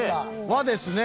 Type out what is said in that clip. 和ですね。